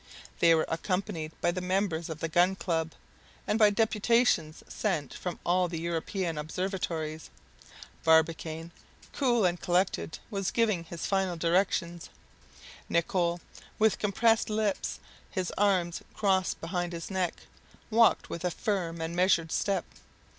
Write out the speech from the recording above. They were accompanied by the members of the Gun Club, and by deputations sent from all the European Observatories. Barbicane, cool and collected, was giving his final directions. Nicholl, with compressed lips, his arms crossed behind his back, walked with a firm and measured step.